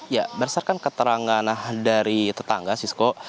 ya berdasarkan keterangan dari tetangga sisko